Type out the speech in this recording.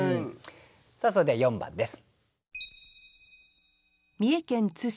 さあそれでは４番です。